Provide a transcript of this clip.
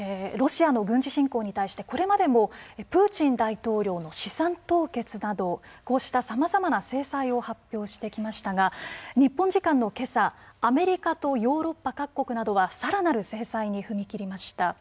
ロシアの軍事侵攻に対してこれまでもプーチン大統領の資産凍結などこうしたさまざまな制裁を発表してきましたが日本時間の今朝アメリカとヨーロッパ各国などはさらなる制裁に踏み切りました。